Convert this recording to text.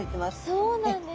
そうなんですね。